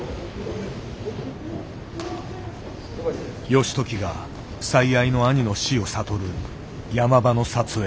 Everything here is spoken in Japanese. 義時が最愛の兄の死を悟る山場の撮影。